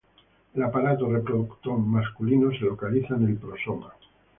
El aparato reproductor masculino se localiza en el prosoma.